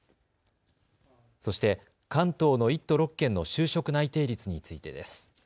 そして、関東の１都６県の就職内定率についてです。